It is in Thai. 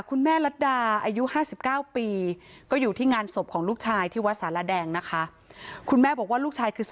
คุณแม่รัดดาอายุ๕๙ปีก็อยู่ที่งานศพของลูกชาย